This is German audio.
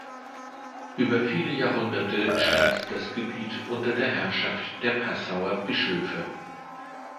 Über viele Jahrhunderte stand das Gebiet unter der Herrschaft der Passauer Bischöfe.